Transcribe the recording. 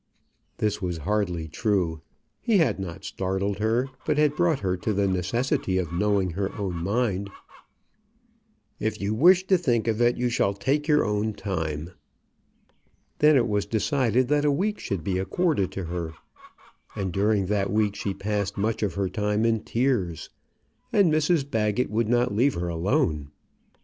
This was hardly true. He had not startled her, but had brought her to the necessity of knowing her own mind. "If you wish to think of it, you shall take your own time." Then it was decided that a week should be accorded to her. And during that week she passed much of her time in tears. And Mrs Baggett would not leave her alone.